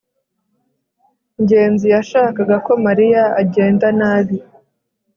ngenzi yashakaga ko mariya agenda nabi